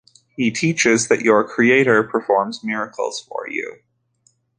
He teaches that your creator performs miracles for you.